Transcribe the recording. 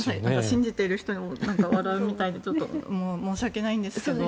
信じている人を笑うみたいで申し訳ないんですが。